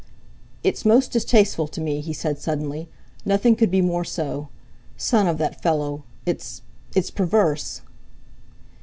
"It's most distasteful to me," he said suddenly; "nothing could be more so. Son of that fellow! It's—it's—perverse!"